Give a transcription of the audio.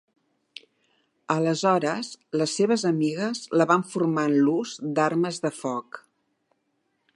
Aleshores, les seves amigues la van formar en l'ús d'armes de foc.